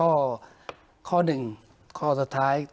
เพราะฉะนั้นทำไมถึงต้องทำภาพจำในโรงเรียนให้เหมือนกัน